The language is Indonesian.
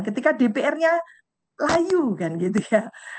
ketika dpr nya layu kan gitu ya